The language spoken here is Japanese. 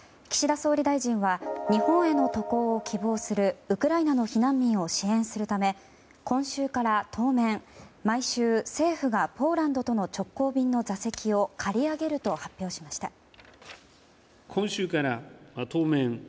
岸田総理大臣は日本への渡航を希望するウクライナの避難民を支援するため今週から当面毎週、政府がポーランドとの直行便の座席を借り上げると発表しました。